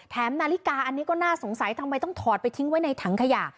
นาฬิกาอันนี้ก็น่าสงสัยทำไมต้องถอดไปทิ้งไว้ในถังขยะ